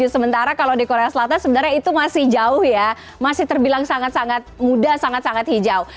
sementara kalau di korea selatan sebenarnya itu masih jauh ya masih terbilang sangat sangat muda sangat sangat hijau